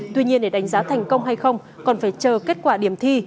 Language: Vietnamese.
tuy nhiên để đánh giá thành công hay không còn phải chờ kết quả điểm thi